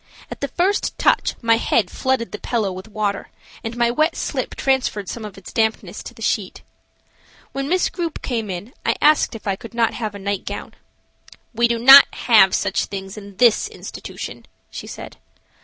At the first touch my head flooded the pillow with water, and my wet slip transferred some of its dampness to the sheet. When Miss Grupe came in I asked if I could not have a night gown. "We have not such things in this institution," she said.